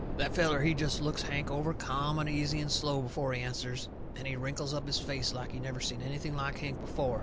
That feller, he jest looks Hank over ca'am and easy and slow before he answers, and he wrinkles up his face like he never seen anything like Hank before.